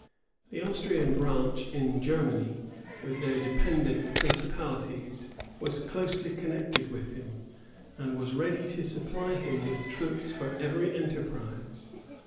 The Austrian branch in Germany, with their dependent principalities, was closely connected with him, and was ready to supply him with troops for every enterprise.